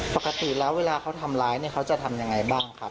ปกติแล้วเวลาเขาทำร้ายเนี่ยเขาจะทำยังไงบ้างครับ